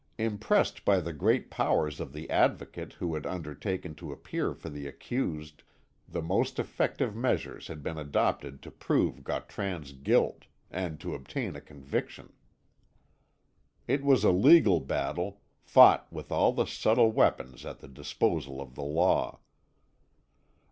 Impressed by the great powers of the Advocate who had undertaken to appear for the accused, the most effective measures had been adopted to prove Gautran's guilt, and obtain a conviction. It was a legal battle, fought with all the subtle weapons at the disposal of the law.